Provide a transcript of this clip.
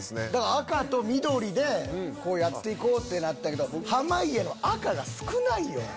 赤と緑でやって行こうってなったけど濱家の赤が少ないねん。